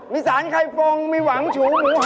มีสารไข่ฟงมีหวังฉูหมู